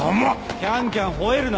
キャンキャンほえるな。